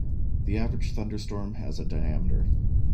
The average thunderstorm has a diameter.